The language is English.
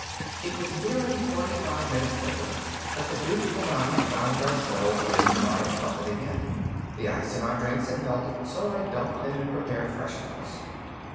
It was nearly forty five minutes later that the Duke and I found ourselves in my apartment again. The ice in our drinks had melted, so I dumped them and prepared fresh ones.